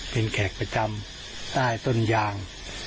เป็นแขกประจำใต้ต้นยาง